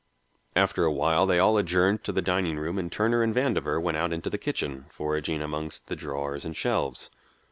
After a while they all adjourned to the dining room and Turner and Vandover went out into the kitchen, foraging among the drawers and shelves.